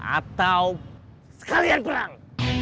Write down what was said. atau sekalian perang